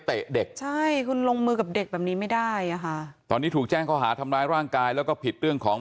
เด็กใช่คุณลงมือกับเด็กแบบนี้ไม่ได้อ่ะค่ะตอนนี้ถูกแจ้งข้อหาทำร้ายร่างกายแล้วก็ผิดเรื่องของ